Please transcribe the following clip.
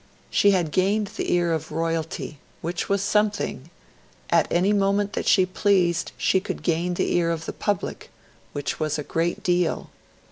She had gained the ear of Royalty which was something; at any moment that she pleased she could gain the ear of the public which was a great deal.